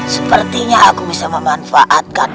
sepertinya aku bisa memanfaatkan